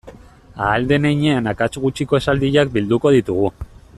Ahal den heinean akats gutxiko esaldiak bilduko ditugu.